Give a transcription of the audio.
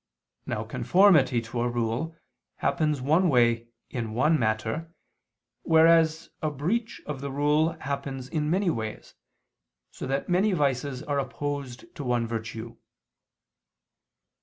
Now conformity to a rule happens one way in one matter, whereas a breach of the rule happens in many ways, so that many vices are opposed to one virtue.